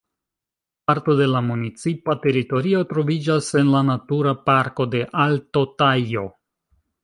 Parto de la municipa teritorio troviĝas en la Natura Parko de Alto Tajo.